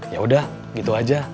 yaudah gitu aja